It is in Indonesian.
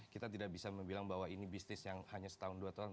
kita tidak bisa bilang bahwa ini bisnis yang hanya setahun dua tahun